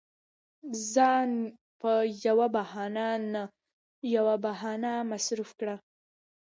ځان په يوه بهانه نه يوه بهانه مصروف کوم.